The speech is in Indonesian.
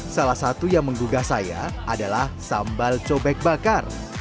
salah satu yang menggugah saya adalah sambal cobek bakar